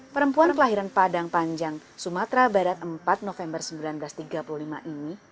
perempuan kelahiran padang panjang sumatera barat empat november seribu sembilan ratus tiga puluh lima ini